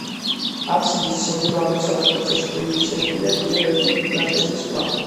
აბსიდის ჩრდილო-აღმოსავლეთ კუთხეში კი მიშენებულია კიდევ ერთი ტრაპეზის ქვა.